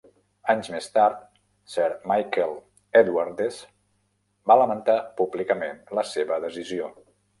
Anys més tard, Sir Michael Edwardes va lamentar públicament la seva decisió.